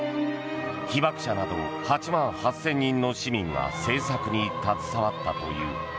被爆者など８万８０００人の市民が製作に携わったという。